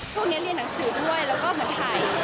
พวกเนี้ยเรียนหนังสือด้วยแล้วก็เหมือนถ่ายละครด้วย